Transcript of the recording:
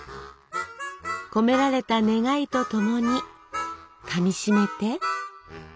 込められた願いと共にかみしめて！